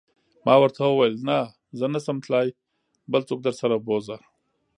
ما ورته وویل: نه، زه نه شم تلای، بل څوک درسره و بوزه.